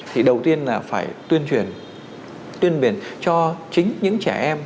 thì đầu tiên là phải tuyên truyền tuyên cho chính những trẻ em